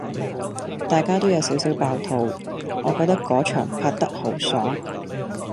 大家都有少少爆肚，我覺得果場拍得好爽